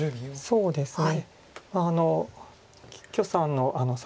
そうですね。